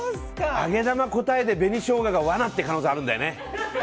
揚げ玉答えて、紅ショウガが罠って可能性あるんだよね。